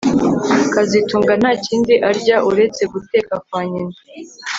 kazitunga nta kindi arya uretse guteka kwa nyina